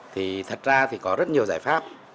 thì thật ra thì có rất nhiều giải pháp